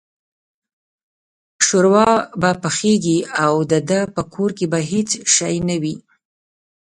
شوروا به پخېږي او دده په کور کې به هېڅ شی نه وي.